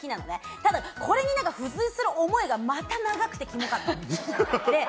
ただこれに付随する思いが長くてキモかった。